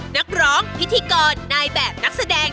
นักร้องพิธีกรนายแบบนักแสดง